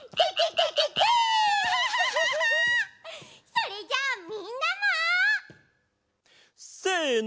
それじゃあみんなも！せの。